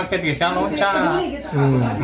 nah istrinya kaget istrinya lonceng